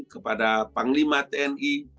kepada panglima tni